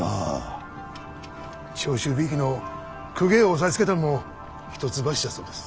長州びいきの公家を押さえつけたんも一橋じゃそうです。